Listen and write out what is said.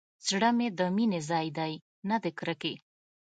زړه د مينې ځاى دى نه د کرکې.